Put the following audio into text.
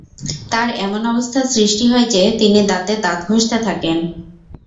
তার এমন অবস্থা সৃষ্টি হয় যে, তিনি দাঁতে দাঁত ঘষতে থাকেন।